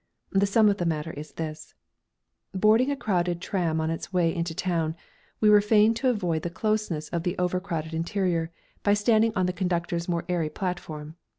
The sum of the matter is this: Boarding a crowded tram on its way into town, we were fain to avoid the closeness of the over crowded interior by standing on the conductor's more airy platform.